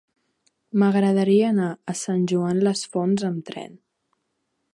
M'agradaria anar a Sant Joan les Fonts amb tren.